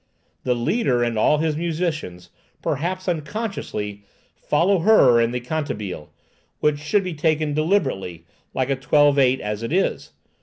The leader and all his musicians, perhaps unconsciously, follow her in her cantabile, which should be taken deliberately, like a 12/8 as it is.